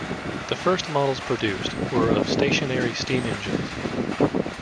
The first models produced were of stationary steam engines.